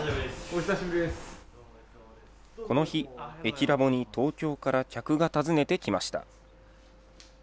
この日、駅ラボに東京から客が訪ねてきました。